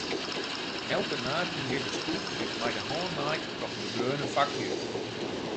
Elke naad yn dizze skoech is mei de hân naaid troch bedreaune faklju.